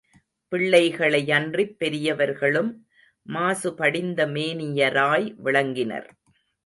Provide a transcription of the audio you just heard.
பிள்ளைகளையன்றிப் பெரியவர்களும், மாசுபடிந்த மேனியராய் விளங்கினர்.